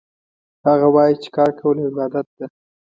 هغه وایي چې کار کول عبادت ده